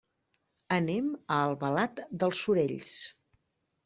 Anem a Albalat dels Sorells.